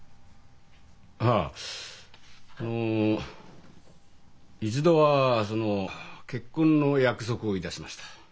あの一度はその結婚の約束をいたしました。